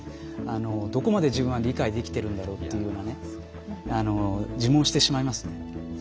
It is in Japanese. どこまで自分は理解できているんだろうというような自問してしまいますね。